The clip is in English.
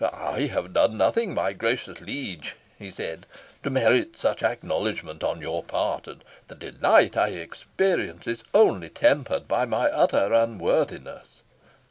"I have done nothing, my gracious liege," he said, "to merit such acknowledgment on your part, and the delight I experience is only tempered by my utter unworthiness."